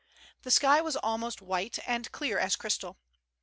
The sky was almost white, and clear as crystal.